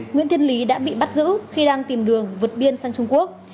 nguyễn thiên lý đã bị bắt giữ khi đang tìm đường vượt biên sang trung quốc